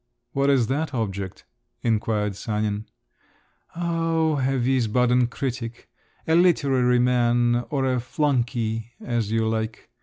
"What is that object?" inquired Sanin. "Oh, a Wiesbaden critic. A literary man or a flunkey, as you like.